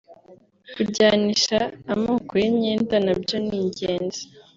Kujyanisha amoko y’ imyenda na byo ni ingenzi